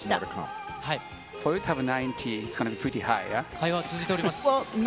会話が続いております。